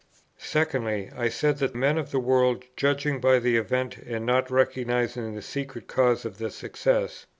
Secondly, I said that men of the world, judging by the event, and not recognizing the secret causes of the success, viz.